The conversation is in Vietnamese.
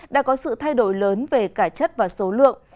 đã có sự thay đổi lớn về cả chất và số lượng